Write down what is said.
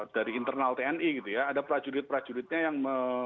dari internal tni gitu ya ada prajurit prajuritnya yang